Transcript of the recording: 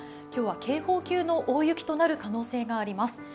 今日は警報級の大雪となる可能性があります。